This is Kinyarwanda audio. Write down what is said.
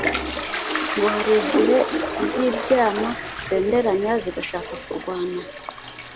Ngo hari igihe iz'ibyana zenderanya zigashaka kurwana